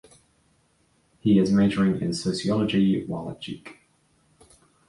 He is majoring in sociology while at Duke.